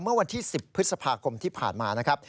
เมื่อวันที่๑๐พฤษภาคมที่ผ่านมานะครับ